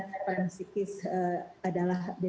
dan mengurangkan siswa untuk berpikir kreatif